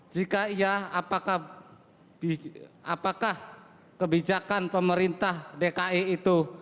jika iya apakah kebijakan pemerintah dki itu